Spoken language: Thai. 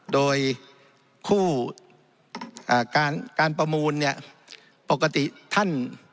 โดยคู่อ่าการการประมูลเนี่ยปกติท่าน